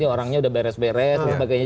orangnya udah beres beres dan sebagainya